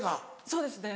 そうですね